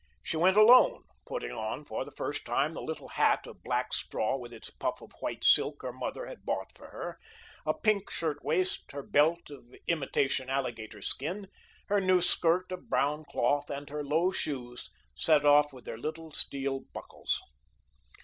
She went alone, putting on for the first time the little hat of black straw with its puff of white silk her mother had bought for her, a pink shirtwaist, her belt of imitation alligator skin, her new skirt of brown cloth, and her low shoes, set off with their little steel buckles.